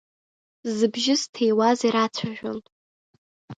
Зыбжьы зҭиуаз ирацәажәон.